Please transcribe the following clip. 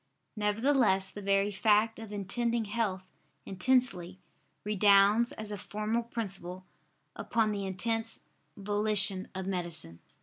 Nevertheless the very fact of intending health intensely, redounds, as a formal principle, upon the intense volition of medicine.